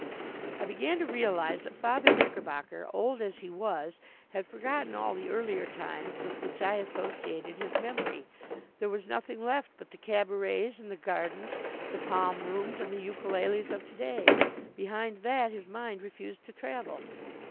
I began to realize that Father Knickerbocker, old as he was, had forgotten all the earlier times with which I associated his memory. There was nothing left but the cabarets, and the Gardens, the Palm Rooms, and the ukuleles of to day. Behind that his mind refused to travel.